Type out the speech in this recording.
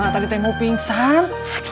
tadi mau pingsan